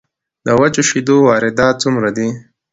د وچو شیدو واردات څومره دي؟